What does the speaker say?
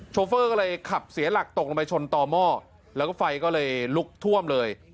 โฟก็เลยขับเสียหลักตกลงไปชนต่อหม้อแล้วก็ไฟก็เลยลุกท่วมเลย